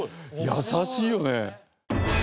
優しいよね。